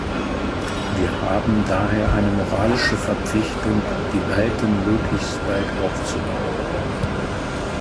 Wir haben daher eine moralische Verpflichtung, die Balten möglichst bald aufzunehmen.